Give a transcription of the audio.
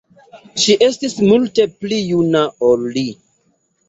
Ŝi estis multe pli juna ol li.